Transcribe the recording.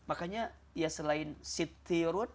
makanya ya selain sitirun